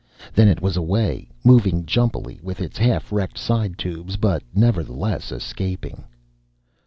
Then it was away, moving jumpily with its half wrecked side tubes, but nevertheless escaping.